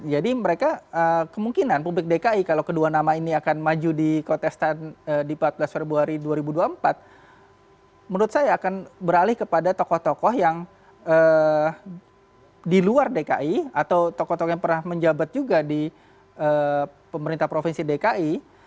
jadi mereka kemungkinan publik dki kalau kedua nama ini akan maju di kontestan di empat belas februari dua ribu dua puluh empat menurut saya akan beralih kepada tokoh tokoh yang di luar dki atau tokoh tokoh yang pernah menjabat juga di pemerintah provinsi dki